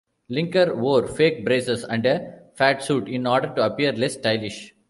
Linker wore fake braces and a fatsuit in order to appear less stylish.